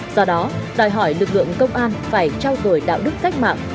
do đó đòi hỏi lực lượng công an phải trao đổi đạo đức cách mạng